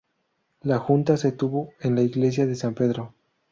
La Junta se tuvo en la Iglesia de San Pedro.